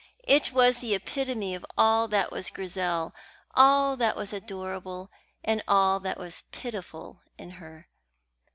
It was the epitome of all that was Grizel, all that was adorable and all that was pitiful in her.